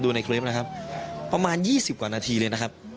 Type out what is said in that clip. ดูในคลิปพอร์บไว้ครับประมาณ๒๐กว่านาทีเลย